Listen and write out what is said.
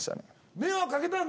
迷惑かけたんだ。